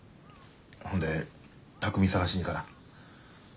ほんで巧海捜しに行かな。